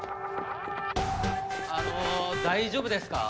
あの大丈夫ですか？